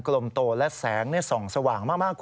กลมโตและแสงส่องสว่างมาก